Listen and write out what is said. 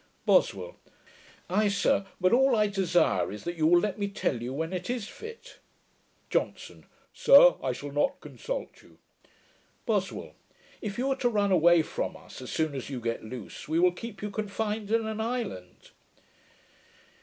BOSWELL. 'Ay, sir, but all I desire is, that you will let me tell you when it is fit.' JOHNSON. 'Sir, I shall not consult you.' BOSWELL. 'If you are to run away from us, as soon as you get loose, we will keep you confined in an island.'